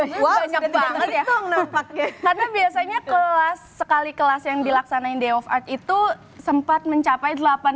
karena biasanya kelas sekali kelas yang dilaksanain day of art itu sempat mencapai